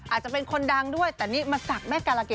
อาจจะเป็นคนดังด้วยแต่นี่มาสักแม่การเกรด